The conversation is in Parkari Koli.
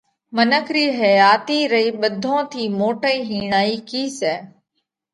منک رِي حياتِي رئِي ٻڌون ٿِي موٽئِي هِيڻائِي ڪِي سئہ؟